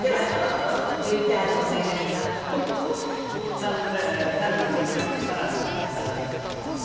「さあここで最後にもう１曲佐川さんに歌って頂くわけですけど」